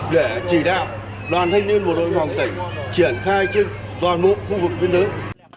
để chỉ đạo đoàn thanh niên bộ đội biên phòng tỉnh triển khai trên toàn bộ khu vực biên giới